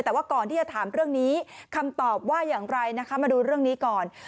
แต่ว่าก่อนที่จะถามเรื่องนี้คำตอบว่าอย่างไรนะคะมาดูเรื่องนี้ก่อน